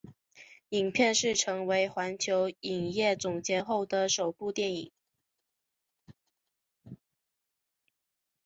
影片是成为环球影业总监后的首部电影。